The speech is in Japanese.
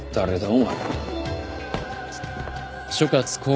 お前。